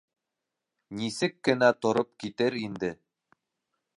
Нисек кенә тороп китер инде...